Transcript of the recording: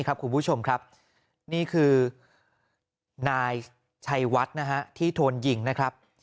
คุณผู้ชมครับนี่คือนายชัยวัดนะฮะที่โดนยิงนะครับ